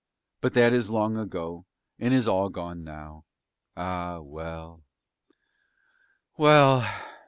but that is long ago and is all gone now ... ah well, well